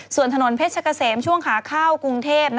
ส่วนถนนเพชรเกษมช่วงขาเข้ากรุงเทพ